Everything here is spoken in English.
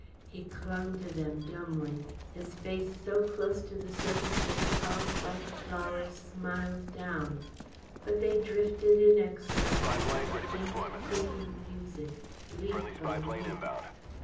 He clung to them dumbly, his face so close to the surface that the tall spiked flowers smiled down but they drifted inexorably with a faint, creaking music, leaf on leaf.